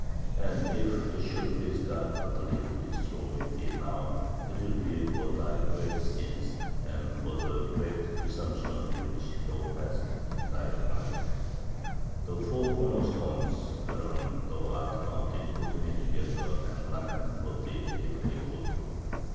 "And if it should please God utterly to destroy thee now, it will be for thy great sins, and for the great presumption which thou hadst in thy pride. "The four corner stones whereon thou art founded would meet together and lament for thee, if they could!